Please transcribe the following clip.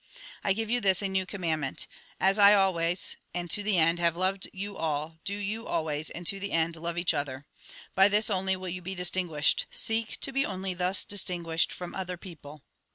I give you this, a new commandment. As I always, and to the end, have loved you all, do you always, and to the end, love each other. By this only will you be distinguished. Seek to be only thus distinguished from other people.